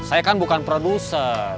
saya kan bukan produser